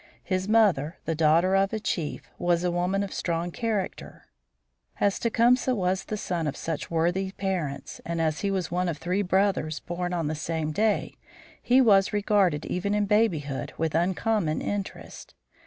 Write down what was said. His mother, the daughter of a chief, was a woman of strong character. As Tecumseh was the son of such worthy parents, and as he was one of three brothers born on the same day, he was regarded even in babyhood with uncommon interest.